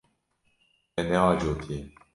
Me neajotiye.